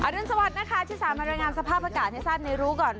รุนสวัสดิ์นะคะที่สามารถรายงานสภาพอากาศให้ทราบในรู้ก่อน